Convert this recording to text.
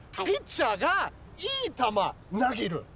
ピッチャーがいい球投げる。